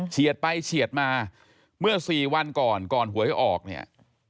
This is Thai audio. ไปเฉียดมาเมื่อสี่วันก่อนก่อนหวยออกเนี่ย